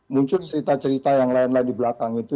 muncul cerita cerita yang lain lain di belakang itu